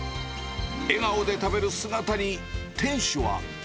笑顔で食べる姿に、店主は。